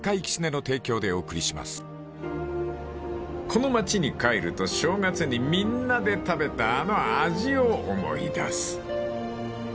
［この町に帰ると正月にみんなで食べたあの味を思い出す］